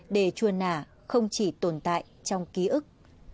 để chùa nà không chỉ tồn tại trong ký ức